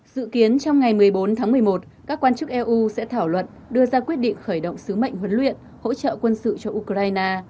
dự kiến trong ngày một mươi bốn tháng một mươi một các quan chức eu sẽ thảo luận đưa ra quyết định khởi động sứ mệnh huấn luyện hỗ trợ quân sự cho ukraine